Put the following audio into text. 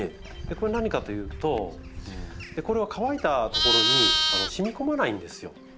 これ何かというとこれは乾いた所にしみ込まないんですよ。